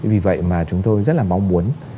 vì vậy mà chúng tôi rất là mong muốn